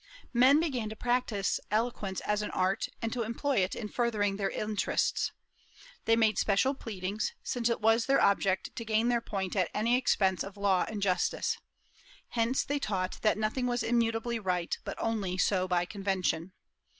Men began to practise eloquence as an art, and to employ it in furthering their interests. They made special pleadings, since it was their object to gain their point at any expense of law and justice. Hence they taught that nothing was immutably right, but only so by convention.